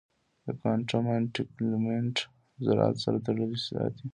د کوانټم انټنګلمنټ ذرات سره تړلي ساتي.